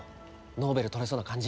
ノーベル取れそうな感じ？